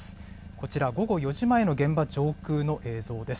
こちら、午後４時前の現場上空の映像です。